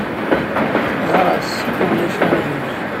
Ɣer-as, ma ulac aɣilif.